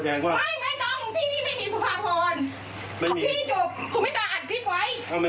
ผมเอาหมายมาแสดงว่าไม่ไม่ต้องที่นี่ไม่มีสุภาพรไม่มี